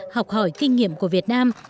học hỏi kinh nghiệm của việt nam